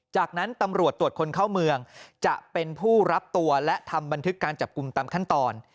จากนั้นตำรวจตรวจคนเข้าเมืองจะเป็นผู้รับตัวและทำบันทึกการจับกลุ่มตามขั้นตอน